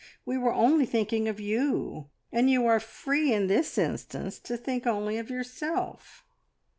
We were thinking only of you, and you are free in this instance to think only of yourself."